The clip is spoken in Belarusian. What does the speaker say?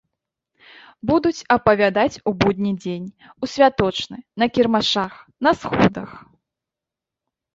Будуць апавядаць у будні дзень, у святочны, на кірмашах, на сходах.